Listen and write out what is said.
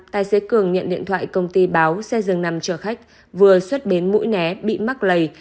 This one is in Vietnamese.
tài xế cường nhận điện thoại công ty báo xe dường nằm chở khách vừa xuất bến mũi né bị mắc lầy